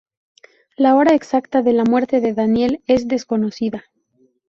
La hora exacta de la muerte de Daniel es desconocida.